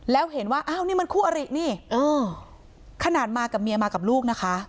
แล้วเห็นว่าอ้าวนี่มันคู่อรินี่ขนาดมากับเมียมากับลูกนะคะ